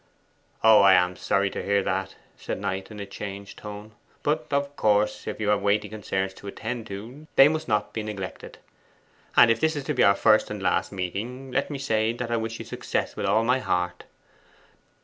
'Oh, I am sorry to hear that,' said Knight, in a changed tone. 'But of course, if you have weighty concerns to attend to, they must not be neglected. And if this is to be our first and last meeting, let me say that I wish you success with all my heart!